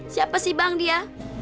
siapa sih bang dia